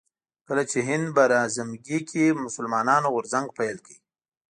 کله چې هند براعظمګي کې مسلمانانو غورځنګ پيل کړ